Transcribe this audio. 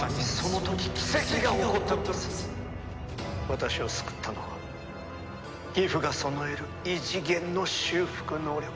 「私を救ったのはギフが備える異次元の修復能力」